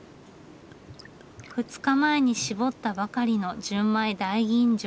２日前にしぼったばかりの純米大吟醸。